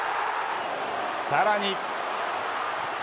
さらに。